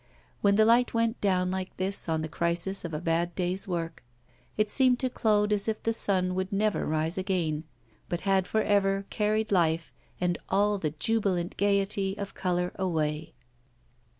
When the light went down like this on the crisis of a bad day's work, it seemed to Claude as if the sun would never rise again, but had for ever carried life and all the jubilant gaiety of colour away.